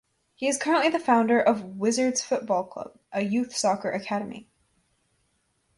He is currently the founder of Wizards Futbol Club, a youth soccer academy.